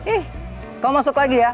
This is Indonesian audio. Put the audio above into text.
ih kau masuk lagi ya